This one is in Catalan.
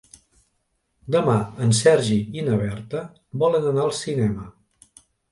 Demà en Sergi i na Berta volen anar al cinema.